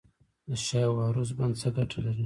د شاه و عروس بند څه ګټه لري؟